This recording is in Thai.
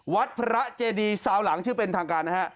วัดพระเจดีซาวหลังชื่อเป็นทางการนะฮะ